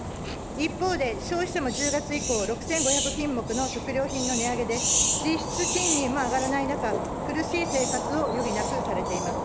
一方で、消費者も１０月以降、６５００品目の食料品の値上げで、実質賃金も上がらない中、苦しい生活を余儀なくされています。